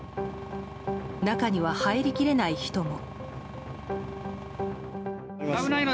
中には入り切れない人も。